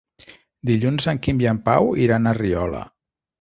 Dilluns en Quim i en Pau iran a Riola.